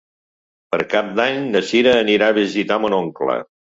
Per Cap d'Any na Sira anirà a visitar mon oncle.